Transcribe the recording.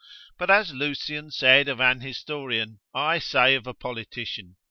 For as Lucian said of an historian, I say of a politician.